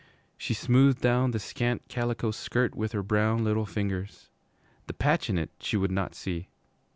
She smoothed down the scant calico skirt with her brown little fingers. The patch in it she would not see.